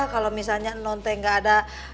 kalo misalnya non teh gak ada